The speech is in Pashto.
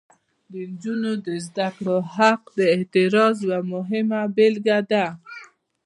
د نجونو د زده کړې حق د اعتراض یوه مهمه بیلګه ده.